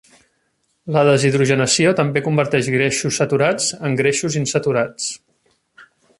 La deshidrogenació també converteix greixos saturats en greixos insaturats.